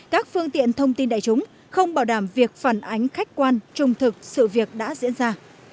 các phương tiện thông tin đại chúng không bảo đảm việc phản ánh khách quan trung thực sự việc đã diễn ra